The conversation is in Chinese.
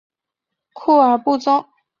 库尔布宗。